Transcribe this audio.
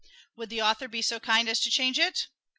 Would the author be so kind as to change it?